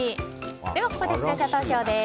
ここで視聴者投票です。